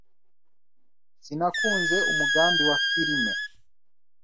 Sinakunze umugambi wa firime.